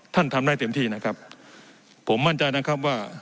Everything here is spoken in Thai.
ทำได้เต็มที่นะครับผมมั่นใจนะครับว่า